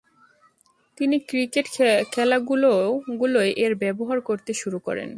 তিনি ক্রিকেট খেলাগুলোয় এর ব্যবহার করতে শুরু করেন।